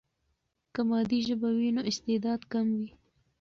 که مادي ژبه وي، نو استعداد کم وي.